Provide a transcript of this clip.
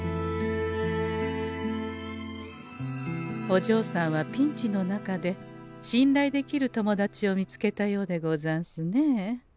おじょうさんはピンチの中でしんらいできる友達を見つけたようでござんすね。